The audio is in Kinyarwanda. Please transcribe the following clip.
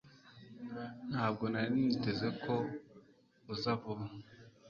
Ntabwo nari niteze ko uza vuba